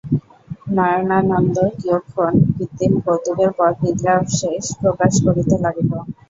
নয়নানন্দ কিয়ৎ ক্ষণ কৃত্রিম কৌতুকের পর নিদ্রাবেশ প্রকাশ করিতে লাগিল।